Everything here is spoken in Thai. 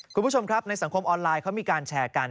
คุณผู้ชมครับในสังคมออนไลน์เขามีการแชร์กัน